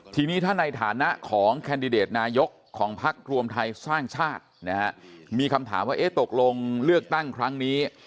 ทีนี้ถ้าในฐานะของแคนดิเดตนายกของพักรวมไทยสร้างชาตินะฮะมีคำถามว่าเอ๊ะตกลงเลือกตั้งครั้งนี้